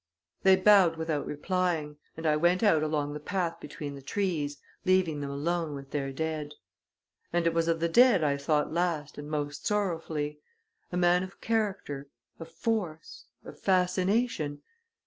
They bowed without replying, and I went out along the path between the trees, leaving them alone with their dead. And it was of the dead I thought last and most sorrowfully: a man of character, of force, of fascination.